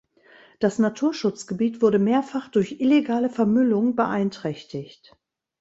Das Naturschutzgebiet wurde mehrfach durch illegale Vermüllung beeinträchtigt.